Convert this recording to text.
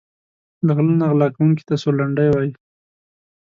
له غله نه غلا کونکي ته سورلنډی وايي.